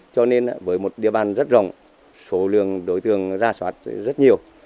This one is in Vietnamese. cho nên với một địa bàn rất rộng số lượng đối tượng ra soát rất nhiều